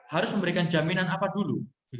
harus memberikan jaminan apa dulu